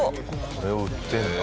これを売ってるんだ。